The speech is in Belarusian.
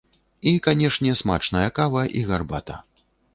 І канешне, смачная кава і гарбата!